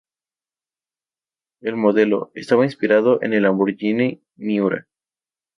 El modelo, estaba inspirado en el Lamborghini Miura.